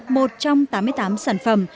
một trong tám mươi tám sản phẩm